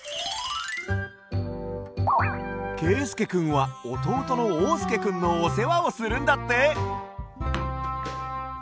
けいすけくんはおとうとのおうすけくんのおせわをするんだって！